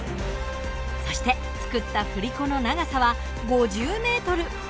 そして作った振り子の長さは５０ｍ。